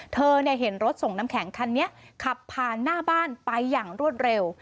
เธอเห็นรถส่งน้ำแข็งคันนี้ขับผ่านหน้าบ้านไปอย่างรวดเร็ว